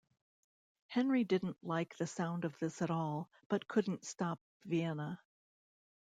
Henry didn't like the sound of this at all, but couldn't stop Vienna.